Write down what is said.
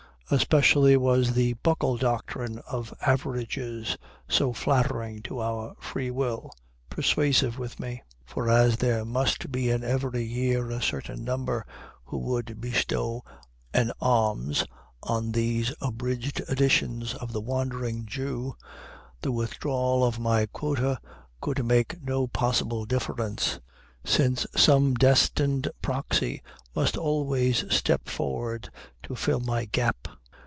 Especially was the Buckle doctrine of averages (so flattering to our free will) persuasive with me; for as there must be in every year a certain number who would bestow an alms on these abridged editions of the Wandering Jew, the withdrawal of my quota could make no possible difference, since some destined proxy must always step forward to fill my gap.